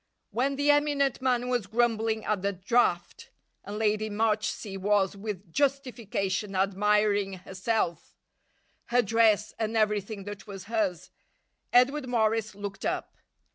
When the eminent man was grumbling at the draught, and Lady Marchsea was, with justification, admiring herself, her dress, and everything that was hers, Edward Morris looked up.